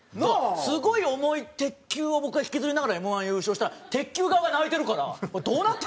すごい重い鉄球を僕が引きずりながらＭ−１優勝したら鉄球側が泣いてるからどうなって？